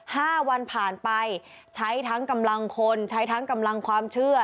ห้าวันผ่านไปใช้ทั้งกำลังคนใช้ทั้งกำลังความเชื่อ